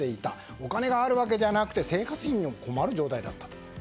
お金があるわけじゃなく生活費に困る状態だったと。